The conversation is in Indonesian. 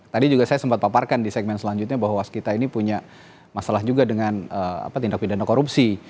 tadi juga saya sempat paparkan di segmen selanjutnya bahwa kita ini punya masalah juga dengan tindak pidana korupsi